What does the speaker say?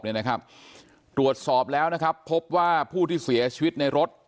เนี่ยนะครับตรวจสอบแล้วนะครับพบว่าผู้ที่เสียชีวิตในรถ